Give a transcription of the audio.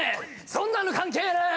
そんなの関係ねえ！